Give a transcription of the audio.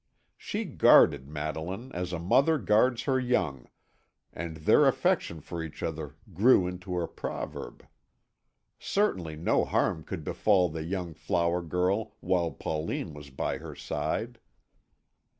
She guarded Madeline as a mother guards her young, and their affection for each other grew into a proverb. Certainly no harm could befall the young flower girl while Pauline was by her side.